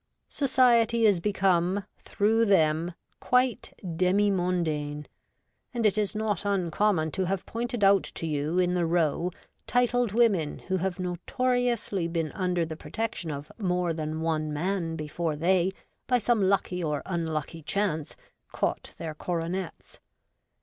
Society is become, through them, quite demi mondaine, and it is not uncommon to have pointed out to you in the Row titled women who have notoriously been under the protection of more than one man before they, by some lucky or unlucky chance, caught their coronets.